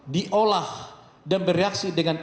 diolah dan bereaksi dengan